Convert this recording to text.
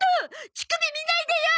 乳首見ないでよ！